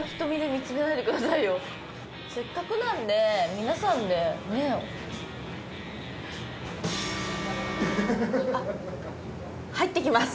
せっかくなんで皆さんであっ入ってきます